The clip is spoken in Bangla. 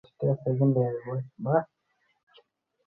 তার ভুলটা কী?